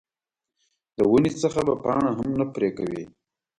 د ونې څخه به پاڼه هم نه پرې کوې.